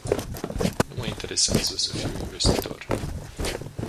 Nu mă interesează să fiu investitor.